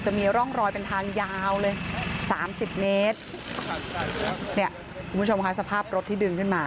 จะมีร่องรอยเป็นทางยาวเลยสามสิบเมตรเนี่ยคุณผู้ชมค่ะสภาพรถที่ดึงขึ้นมา